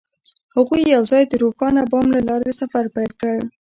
هغوی یوځای د روښانه بام له لارې سفر پیل کړ.